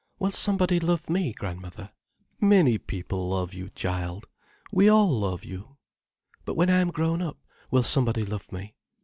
"Will somebody love me, grandmother?" "Many people love you, child. We all love you." "But when I am grown up, will somebody love me?"